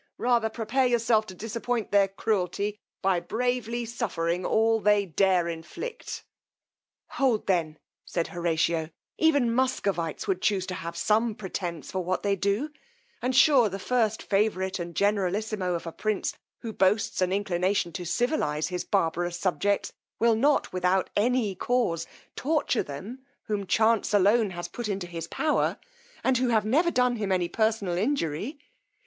rather prepare yourself to disappoint their cruelty, by bravely suffering all they dare inflict. Hold then, said Horatio, even Muscovites would chuse to have some pretence for what they do; and sure the first favourite and generalissimo of a prince, who boasts an inclination to civilize his barbarous subjects, will not, without any cause, torture them whom chance alone has put into his power, and who have never done him any personal injury.